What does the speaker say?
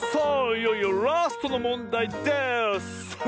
いよいよラストのもんだいです！